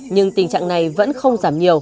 nhưng tình trạng này vẫn